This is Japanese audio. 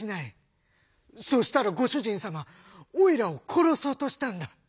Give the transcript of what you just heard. そうしたらごしゅじんさまおいらをころそうとしたんだ。